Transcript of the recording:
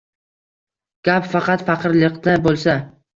Gap faqat faqirliqda bo'lsa